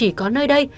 bởi chỉ có nơi đây